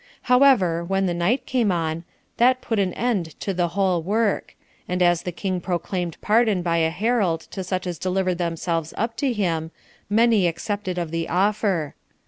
However, when the night came on, that put an end to the whole work; and as the king proclaimed pardon by a herald to such as delivered themselves up to him, many accepted of the offer.